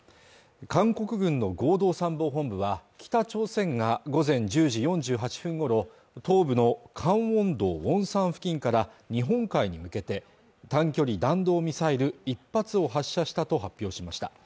韓国軍の合同参謀本部は北朝鮮が午前１０時４８分ごろ東部のカンウォンドウォンサン付近から日本海に向けて短距離弾道ミサイル１発を発射したと発表しました